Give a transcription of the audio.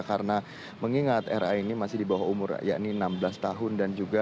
karena mengingat ra ini masih di bawah umur enam belas tahun